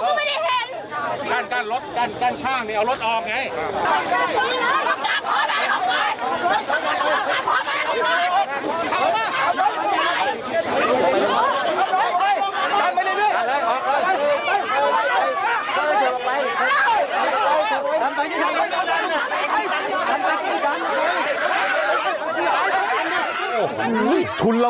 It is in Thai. ขอบคุณครับขอบคุณครับ